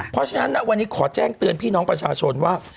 เพราะฉะนั้นวันนี้ขอแจ้งเตือนพี่น้องประชาชนว่า